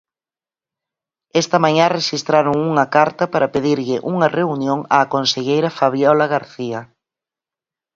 Esta mañá rexistraron unha carta para pedirlle unha reunión á conselleira Fabiola García.